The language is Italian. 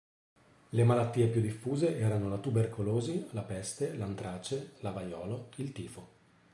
Le malattie più diffuse erano la tubercolosi, la peste, l'antrace, la vaiolo, il tifo.